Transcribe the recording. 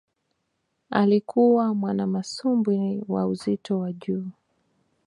Alikuwa mwanamasumbwi wa uzito wa juu